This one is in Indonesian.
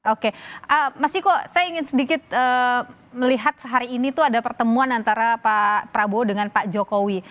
oke mas iko saya ingin sedikit melihat sehari ini tuh ada pertemuan antara pak prabowo dengan pak jokowi